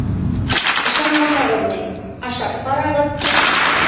Ышанмаһағыҙ, ни... ашап ҡарағыҙ.